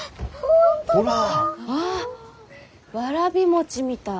わあわらび餅みたい。